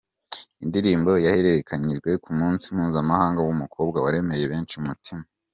Indirimbo yahererekanije ku munsi mpuzamahanga w’umukobwa waremye benshi umutima.